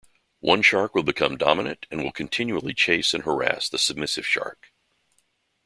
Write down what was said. One shark will become dominant and will continually chase and harass the submissive shark.